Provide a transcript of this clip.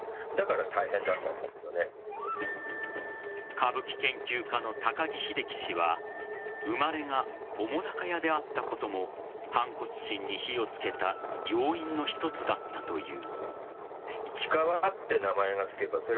歌舞伎研究家の高木秀樹氏は生まれが澤瀉屋であったことも反骨心に火を付けた要因の一つだったという。